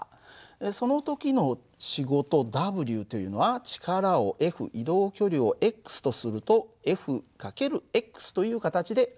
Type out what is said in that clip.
その時の仕事Ｗというのは力をＦ移動距離をとするとＦ×という形で表されます。